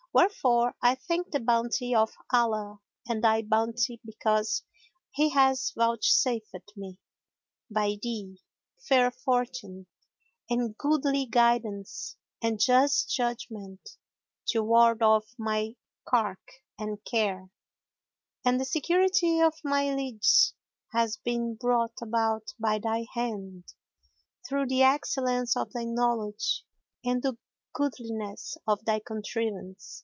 Wherefore I thank the bounty of Allah and thy bounty because He hath vouchsafed me, by thee, fair fortune and goodly guidance and just judgment to ward off my cark and care; and the security of my lieges hath been brought about by thy hand, through the excellence of thy knowledge and the goodliness of thy contrivance.